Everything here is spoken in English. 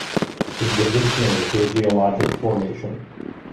It gives its name to a geologic formation.